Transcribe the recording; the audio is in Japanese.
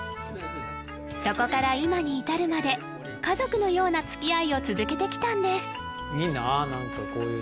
そこから今に至るまで家族のようなつきあいを続けてきたんです